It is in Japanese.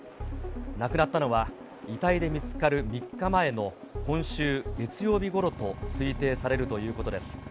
亡くなったのは遺体で見つかる３日前の今週月曜日ごろと推定されるということです。